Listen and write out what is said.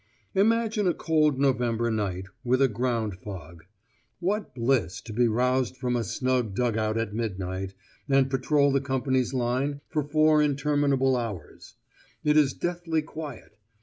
Imagine a cold November night with a ground fog. What bliss to be roused from a snug dug out at midnight, and patrol the Company's line for four interminable hours. It is deathly quiet.